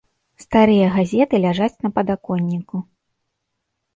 Старыя газеты ляжаць на падаконніку.